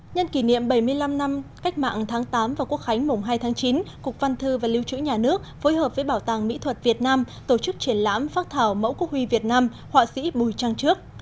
nhân kỷ niệm bảy mươi năm năm cách mạng tháng tám và quốc khánh mùng hai tháng chín cục văn thư và lưu trữ nhà nước phối hợp với bảo tàng mỹ thuật việt nam tổ chức triển lãm phác thảo mẫu quốc huy việt nam họa sĩ bùi trang trước